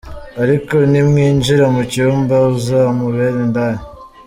Ariko nimwinjira mu cyumba uzamubere indaya.